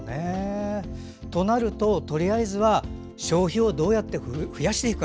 となるととりあえずは消費をどうやって増やしていくか。